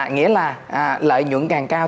nghĩa là lợi nhuận càng cao